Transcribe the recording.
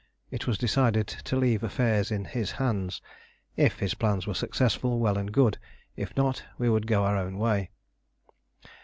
It was decided to leave affairs in his hands: if his plans were successful, well and good; if not, we would go our own way.